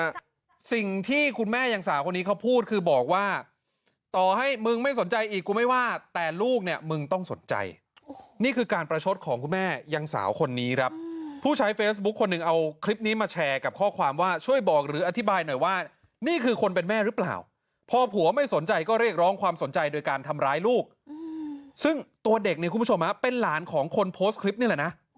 โหดูดีดูดีดูดีดูดีดูดีดูดีดูดีดูดีดูดีดูดีดูดีดูดีดูดีดูดีดูดีดูดีดูดีดูดีดูดีดูดีดูดีดูดีดูดีดูดีดูดีดูดีดูดีดูดีดูดีดูดีดูดีดูดีดูดีดูดีดูดีดูดีดูดีดูดีดูดีดูดีดูดีดูดีดูดีดูด